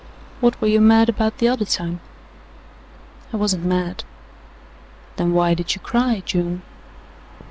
"What were you mad about the other time?" "I wasn't mad." "Then why did you cry, June?"